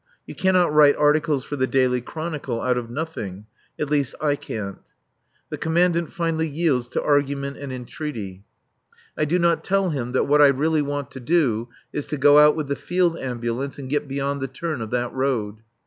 You cannot write articles for The Daily Chronicle out of nothing; at least I can't. The Commandant finally yields to argument and entreaty. I do not tell him that what I really want to do is to go out with the Field Ambulance, and get beyond the turn of that road.